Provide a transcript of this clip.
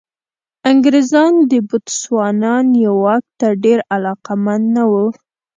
انګرېزان د بوتسوانا نیواک ته ډېر علاقمند نه وو.